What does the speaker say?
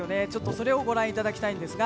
それをご覧いただきたいんですが。